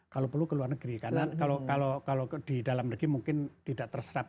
kalau perlu ke luar negeri karena kalau di dalam negeri mungkin tidak terserap